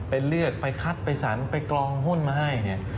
ไปเลือกไปคัดไปสรรไปกรองหุ้นมาให้เนี่ย